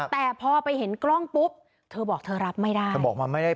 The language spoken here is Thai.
แต่พอไปเห็นกล้องปุ๊บเธอบอกเธอรับไม่ได้